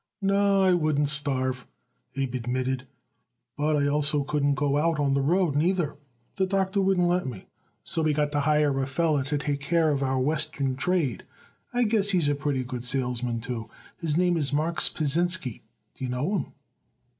"No, I wouldn't starve," Abe admitted, "but I also couldn't go out on the road, neither. The doctor wouldn't let me, so we got to hire a feller to take care of our Western trade. I guess he's a pretty good salesman, too. His name is Marks Pasinsky. Do you know him?"